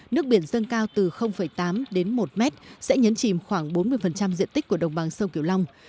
nước biển dâng cao từ tám đến một mét sẽ nhấn chìm khoảng bốn mươi diện tích của đồng bằng sông kiểu long